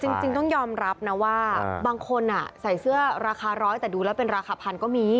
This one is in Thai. จริงต้องยอมรับนะว่าบางคนใส่เสื้อราคาร้อยแต่ดูแล้วเป็นราคาพันก็มี